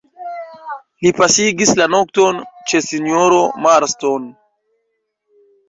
Li pasigis la nokton ĉe sinjoro Marston.